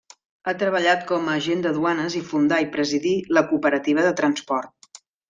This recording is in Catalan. Ha treballat com a agent de duanes i fundà i presidí la Cooperativa de Transport.